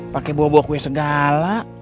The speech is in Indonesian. pake bawa bawa kue segala